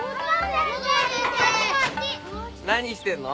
何してんの？